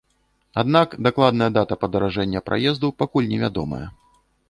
Аднак дакладная дата падаражэння праезду пакуль невядомая.